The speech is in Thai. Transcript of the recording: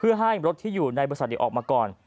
เพื่อให้รถที่อยู่ในบริษัทออกมาก่อน